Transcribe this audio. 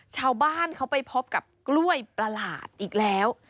ชาวบ้านเขาไปพบกับกล้วยประหลาดอีกแล้ว